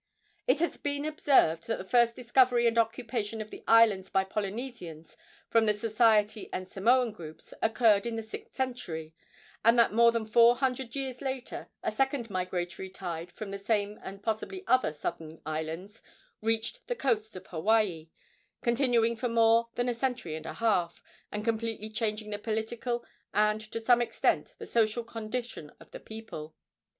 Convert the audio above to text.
It has been observed that the first discovery and occupation of the islands by Polynesians from the Society and Samoan groups occurred in the sixth century, and that more than four hundred years later a second migratory tide from the same and possibly other southern islands reached the coasts of Hawaii, continuing for more than a century and a half, and completely changing the political, and to some extent the social, condition of the people.